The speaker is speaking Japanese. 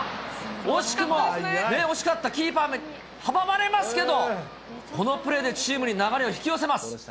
惜しくも、惜しかった、キーパーに阻まれますけど、このプレーでチームに流れを引き寄せます。